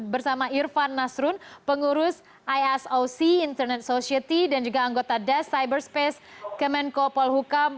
bersama irfan nasrun pengurus isoc internet society dan juga anggota das cyber space kemenko polhukam